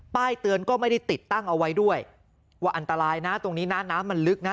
เตือนก็ไม่ได้ติดตั้งเอาไว้ด้วยว่าอันตรายนะตรงนี้นะน้ำมันลึกนะ